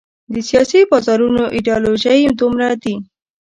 د سیاسي بازارونو ایډیالوژۍ دومره دي.